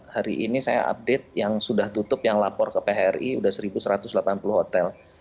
hari ini saya update yang sudah tutup yang lapor ke phri sudah satu satu ratus delapan puluh hotel